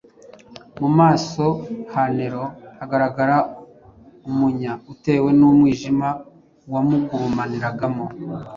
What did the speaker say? Mu maso ha Nero hagaragaraga umunya utewe n’umujinya wamugurumaniragamo;